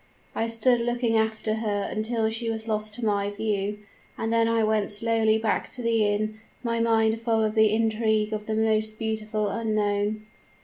"I stood looking after her until she was lost to my view; and then I went slowly back to the inn, my mind full of the image of the beautiful unknown.